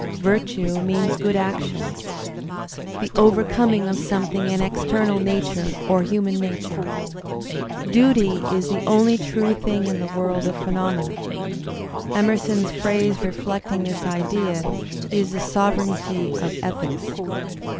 Virtue means good action, .' the overcoming of something in external nature or human nature. Duty is the only true thing in the world of phenom ena. Emerson's phrase reflecting this idea is "the sovereignty of ethics.''